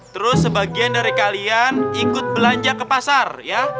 terus sebagian dari kalian ikut belanja ke pasar ya